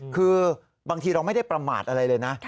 คือบางทีเราไม่ได้ประมาทอะไรเลยนะ